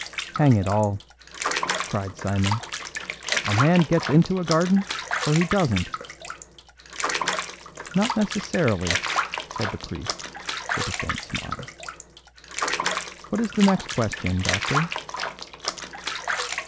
"Hang it all," cried Simon, "a man gets into a garden, or he doesn't." "Not necessarily," said the priest, with a faint smile. "What is the nest question, doctor?"